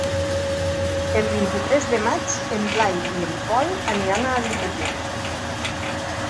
El vint-i-tres de maig en Blai i en Pol aniran a la biblioteca.